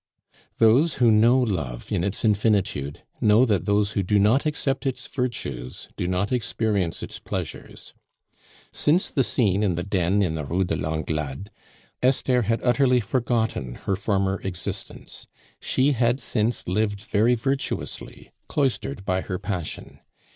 Those who know love in its infinitude know that those who do not accept its virtues do not experience its pleasures. Since the scene in the den in the Rue de Langlade, Esther had utterly forgotten her former existence. She had since lived very virtuously, cloistered by her passion.